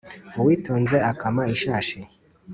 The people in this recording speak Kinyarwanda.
Uwitonze akama ishashi.